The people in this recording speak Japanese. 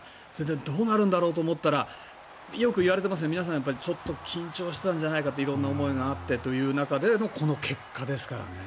どうなるんだろうと思ったら皆さんちょっと緊張していたんじゃないかと色んな思いがあってという中でのこの結果ですからね。